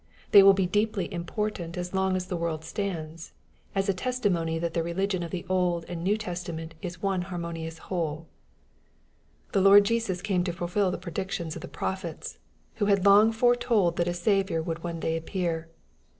They will be deeply important as long as the world stands, as a testimony that the religion of the Old and ISew Testament is one harmonious whole. The Lord Jesus came to fulfil the predictions of the prophets J who had long foretold that a Saviour would ont day appear.